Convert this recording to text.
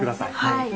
はい。